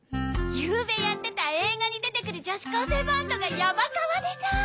ゆうべやってた映画に出てくる女子高生バンドがヤバカワでさ。